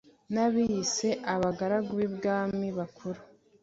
n'abiyise abagaragu b'ibwami bakuru